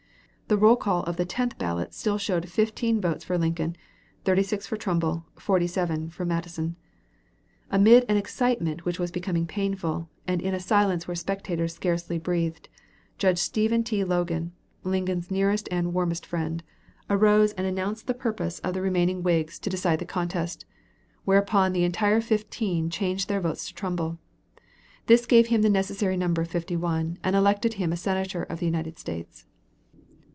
The roll call of the tenth ballot still showed 15 votes for Lincoln, 36 for Trumbull, 47 for Matteson. Amid an excitement which was becoming painful, and in a silence where spectators scarcely breathed, Judge Stephen T. Logan, Lincoln's nearest and warmest friend, arose and announced the purpose of the remaining Whigs to decide the contest, whereupon the entire fifteen changed their votes to Trumbull. This gave him the necessary number of fifty one, and elected him a Senator of the United States.